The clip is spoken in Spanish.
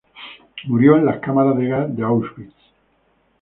Murió en las cámaras de gas de Auschwitz.